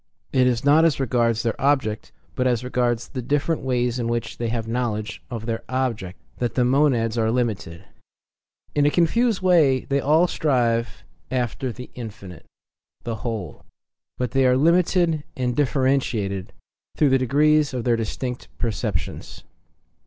It is not as regards their object, but as regards the different ways in which they have knowledge oftheir object, that the Monads jire limited 94 . In a confused way they all strive after pJoSJToJlbhe infinite, the whole 95 ; but they are limited land differentiated through the degrees of their distinct perceptions.